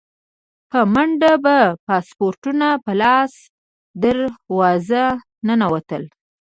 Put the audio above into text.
په منډه به پاسپورټونه په لاس دروازه ننوتل.